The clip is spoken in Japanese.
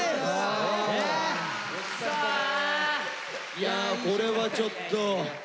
いやこれはちょっと。